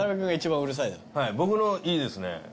はい僕のいいですね。